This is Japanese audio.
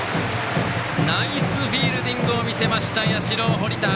ナイスフィールディングを見せた社、堀田。